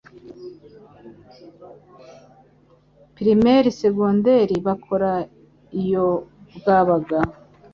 Primaire, secondaire, bakora iyo bwabaga